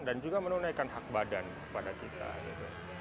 dan juga menunaikan hak badan kepada kita gitu